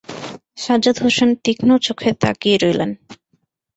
সাজ্জাদ হোসেন তীক্ষ্ণ চোখে তাকিয়ে রইলেন।